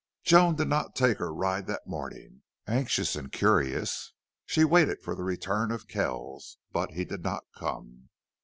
Joan did not take her ride that morning. Anxious and curious, she waited for the return of Kells. But he did not come.